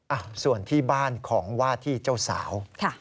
อ่ะส่วนที่บ้านของว่าที่เจ้าสาว